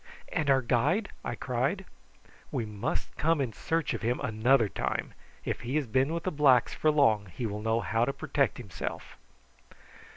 "And our guide?" I cried. "We must come in search of him another time. If he has been with the blacks for long he will know how to protect himself."